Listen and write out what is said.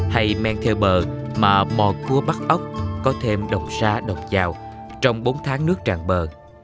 hãy men theo bờ mà mò cua bắt ốc có thêm đồng xa đồng giàu trong bốn tháng nước tràn bờ